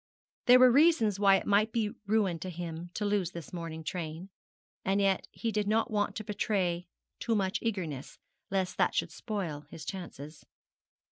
There were reasons why it might be ruin to him to lose this morning train; and yet he did not want to betray too much eagerness, lest that should spoil his chances.